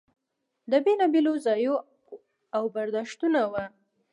د بېلا بېلو زاویو او برداشتونو و.